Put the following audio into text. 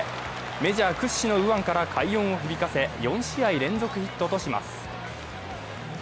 メジャー屈指の右腕から快音を響かせ４試合連続ヒットとします。